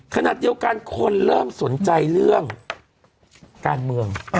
ขณะเดียวกันคนเริ่มสนใจเรื่องการเมือง